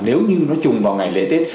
nếu như nó trùng vào ngày lễ tết